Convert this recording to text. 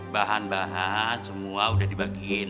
bahan bahan semua udah dibagiin